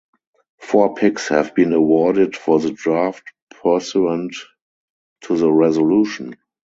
Four picks have been awarded for the draft pursuant to the resolution.